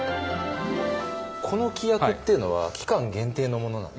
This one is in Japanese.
この規約っていうのは期間限定のものなんですか？